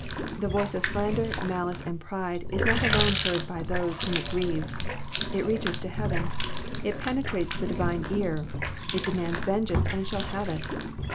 The voice of slander, malice, and pride, is not alone heard by those whom it grieves, it reaches to heaven, it penetrates the divine ear, it demands vengeance, and shall have it.